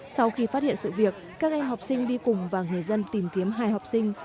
sau khi phát hiện sự việc các em học sinh đi cùng và người dân tìm kiếm hai học sinh